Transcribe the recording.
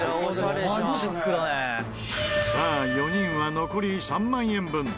さあ４人は残り３万円分。